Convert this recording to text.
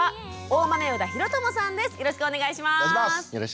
よろしくお願いします。